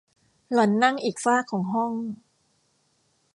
หล่อนนั่งอีกฟากของห้อง